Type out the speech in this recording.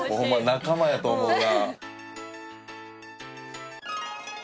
仲間やと思うわ。